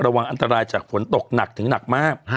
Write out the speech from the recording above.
ระวังอันตรายจากฝนตกหนักถึงหนักมาก